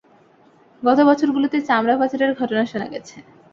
গত বছরগুলোতে চামড়া পাচারের ঘটনা শোনা গেছে।